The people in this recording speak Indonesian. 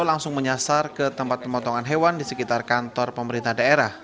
langsung menyasar ke tempat pemotongan hewan di sekitar kantor pemerintah daerah